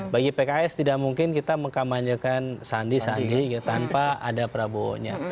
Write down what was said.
bagi pks tidak mungkin kita mengkamanjakan sandi sandi tanpa ada prabowo nya